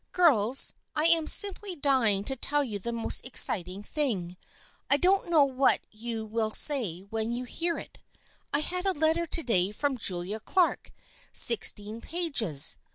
" Girls, I am simply dying to tell you the most exciting thing. I don't know what you will say when you hear it. I had a letter to day from Julia Clark, sixteen pages.